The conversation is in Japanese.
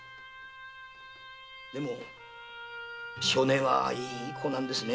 でも性根はいい子なんですね。